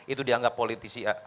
itu dianggap politisi